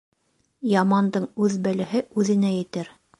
Ямандың үҙ бәләһе үҙенә етер.